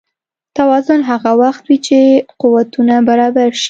توازن هغه وخت وي چې قوتونه برابر شي.